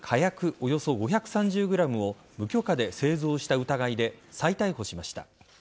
およそ５３０ｇを無許可で製造した疑いで再逮捕しました。